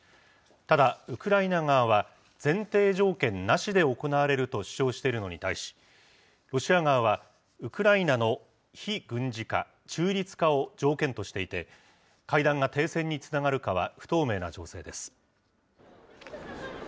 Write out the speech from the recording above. ただ、ウクライナ側は、前提条件なしで行われると主張しているのに対し、ロシア側は、ウクライナの非軍事化・中立化を条件としていて、会談が停戦につながるかは不透明な情勢です。